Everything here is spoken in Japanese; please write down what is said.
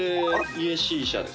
「家シーシャや」